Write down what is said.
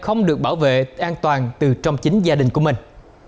không được bảo vệ an toàn từ trong chính gia đình của mình